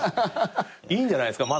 いいんじゃないですか。